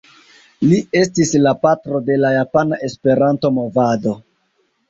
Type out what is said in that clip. Li estis la patro de la Japana Esperanto-movado.